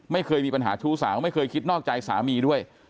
ไม่เคยมีปัญหาชู้สาวไม่เคยคิดนอกใจสามีด้วย